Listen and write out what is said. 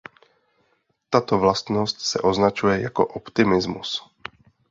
Tato vlastnost se označuje jako optimismus.